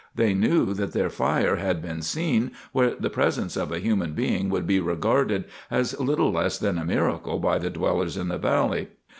They knew that their fire had been seen where the presence of a human being would be regarded as little less than a miracle by the dwellers in the valley.